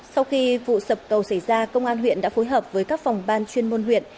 sau khi vụ sập cầu xảy ra công an huyện đã phối hợp với các phòng ban chuyên môn huyện